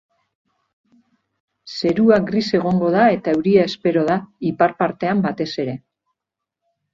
Zerua gris egongo da eta euria espero da, ipar partean batez ere.